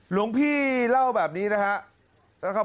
หลวงพี่เล่าแบบนี้นะครับ